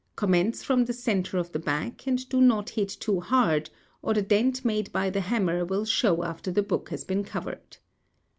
Commence from the centre of the back and do |50| not hit too hard, or the dent made by the hammer will show after the book has been covered.